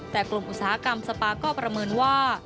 แต่กลุ่มอุตสาหกรรมสปาก็ประเมินว่า